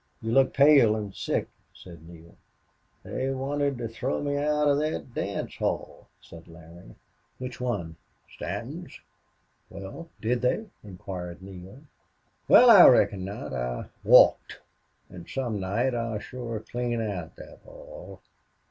You look pale and sick," said Neale. "They wanted to throw me out of thet dance ball," said Larry. "Which one?" "Stanton's." "Well, DID they?" inquired Neale. "Wal, I reckon not. I walked. An' some night I'll shore clean out thet hall."